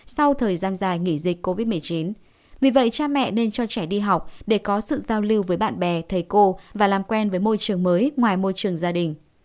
sau thời gian dài nghỉ dịch covid một mươi chín vì vậy cha mẹ nên cho trẻ đi học để có sự giao lưu với bạn bè thầy cô và làm quen với môi trường mới ngoài môi trường gia đình